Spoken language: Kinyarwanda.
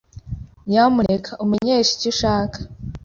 Nyamuneka umenyeshe icyo ushaka.